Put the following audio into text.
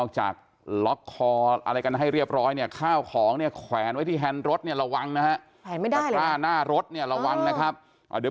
จักรยานยนต์เนี่ย